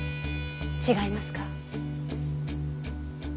違いますか？